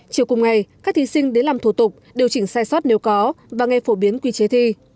chiều cùng ngày các thí sinh đến làm thủ tục điều chỉnh sai sót nếu có và nghe phổ biến quy chế thi